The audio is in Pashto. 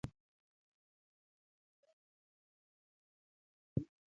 د احمد زړه ډېری وخت په موټرکې کچه کېږي.